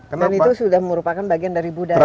kan itu sudah merupakan bagian dari budaya mereka